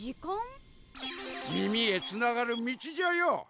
耳へつながる道じゃよ。